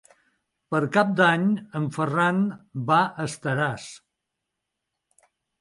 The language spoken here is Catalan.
Per Cap d'Any en Ferran va a Estaràs.